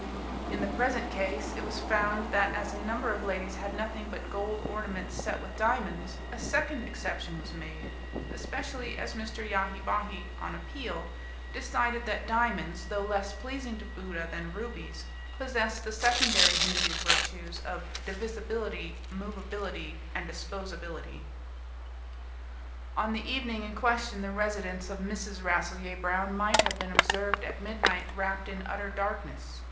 In the present case it was found that as a number of ladies had nothing but gold ornaments set with diamonds, a second exception was made; especially as Mr. Yahi Bahi, on appeal, decided that diamonds, though less pleasing to Buddha than rubies, possessed the secondary Hindu virtues of divisibility, movability, and disposability. On the evening in question the residence of Mrs. Rasselyer Brown might have been observed at midnight wrapped in utter darkness.